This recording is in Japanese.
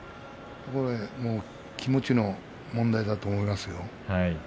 気持ちの問題だと思いますよ。